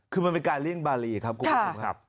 คือมันเป็นการเลี่ยงบารีครับคุณผู้ชมครับ